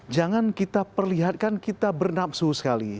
jangan kita perlihatkan kita bernapsu sekali